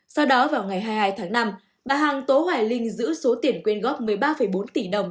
sau đó vào ngày hai mươi hai tháng năm bà hằng tố hoài linh giữ số tiền quyên góp một mươi ba bốn tỷ đồng